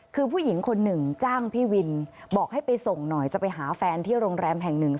คือผู้หญิงคนหนึ่งจ้างพี่วินบอกให้ไปส่งหน่อยจะไปหาแฟนที่โรงแรมแห่งหนึ่ง